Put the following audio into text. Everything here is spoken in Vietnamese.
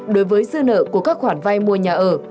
đối với dư nợ của các khoản vay mua nhà ở